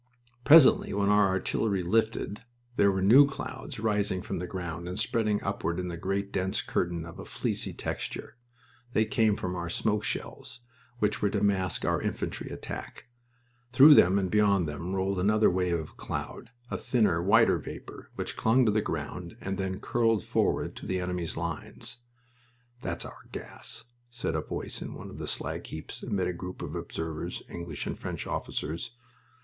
Presently, when our artillery lifted, there were new clouds rising from the ground and spreading upward in a great dense curtain of a fleecy texture. They came from our smoke shells, which were to mask our infantry attack. Through them and beyond them rolled another wave of cloud, a thinner, whiter vapor, which clung to the ground and then curled forward to the enemy's lines. "That's our gas!" said a voice on one of the slag heaps, amid a group of observers English and French officers.